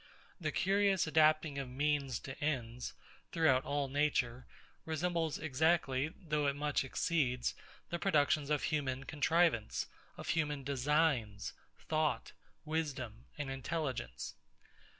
The curious adapting of means to ends, throughout all nature, resembles exactly, though it much exceeds, the productions of human contrivance; of human designs, thought, wisdom, and intelligence.